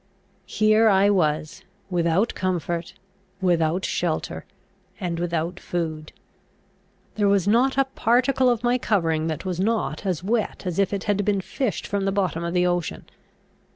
Here I was, without comfort, without shelter, and without food. There was not a particle of my covering that was not as wet as if it had been fished from the bottom of the ocean.